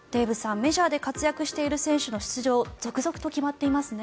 メジャーで活躍している選手の出場が続々と決まっていますね。